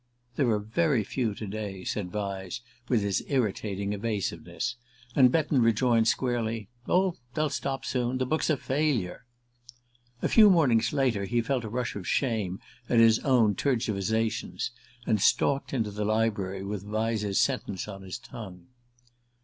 "There are very few to day," said Vyse, with his irritating evasiveness; and Betton rejoined squarely: "Oh, they'll stop soon. The book's a failure." A few mornings later he felt a rush of shame at his own tergiversations, and stalked into the library with Vyse's sentence on his tongue.